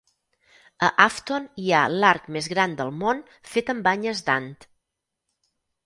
A Afton hi ha l'arc més gran del món fet amb banyes d'ant.